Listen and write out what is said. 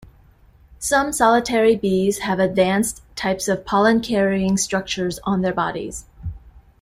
Some solitary bees have advanced types of pollen-carrying structures on their bodies.